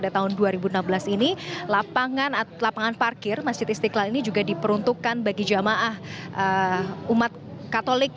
pada tahun dua ribu enam belas ini lapangan parkir masjid istiqlal ini juga diperuntukkan bagi jamaah umat katolik